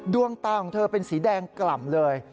ดวงตาของเธอเป็นสีแดงกล่ำเลย